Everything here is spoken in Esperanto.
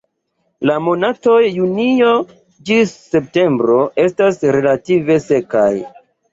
La monatoj junio ĝis septembro estas relative sekaj.